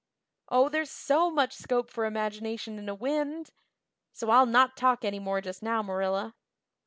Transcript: Oh, there's so much scope for imagination in a wind! So I'll not talk any more just now, Marilla."